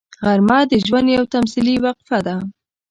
غرمه د ژوند یوه تمثیلي وقفه ده